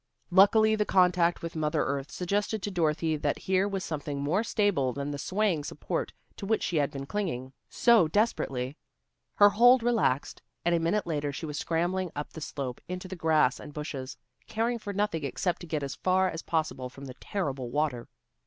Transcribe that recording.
Luckily the contact with mother earth suggested to Dorothy that here was something more stable than the swaying support to which she had been clinging so desperately. Her hold relaxed, and a minute later she was scrambling up the slope into the grass and bushes, caring for nothing except to get as far as possible from the terrible water.